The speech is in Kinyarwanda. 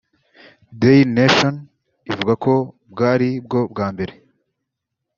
Daily Nation ivuga ko bwari bwo mbere